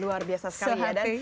luar biasa sekali ya